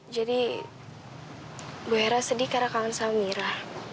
jadi bu hera sedih karena kangen sama mira